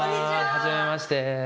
はじめまして。